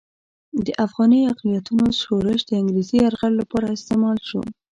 د افغاني اقلیتونو شورش د انګریزي یرغل لپاره استعمال شو.